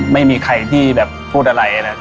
ไม่มีใครที่แบบพูดอะไรนะ